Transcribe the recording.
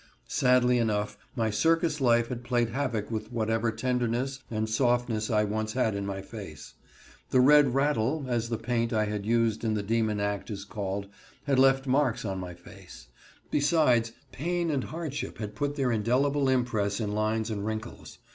Sadly enough my circus life had played havoc with whatever tenderness and softness I once had in my face. The Red Rattle, as the paint I had used in the Demon Act is called, had left marks on my face. Besides, pain and hardship had put their indelible impress in lines and wrinkles.